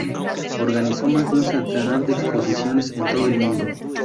Organizó más de un centenar de exposiciones en todo el mundo.